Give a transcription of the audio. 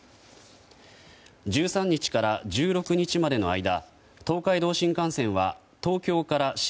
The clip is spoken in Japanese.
１３日から１６日までの間東海道新幹線は東京から新